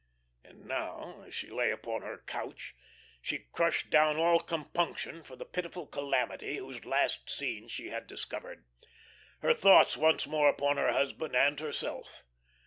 And now, as she lay upon her couch, she crushed down all compunction for the pitiful calamity whose last scene she had discovered, her thoughts once more upon her husband and herself.